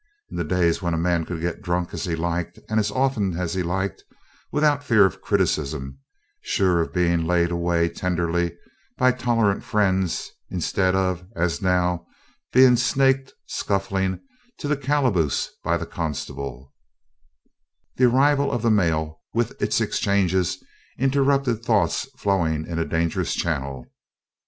In the days when a man could get drunk as he liked and as often as he liked without fear of criticism, sure of being laid away tenderly by tolerant friends, instead of, as now, being snaked, scuffling, to the calaboose by the constable The arrival of the mail with its exchanges interrupted thoughts flowing in a dangerous channel.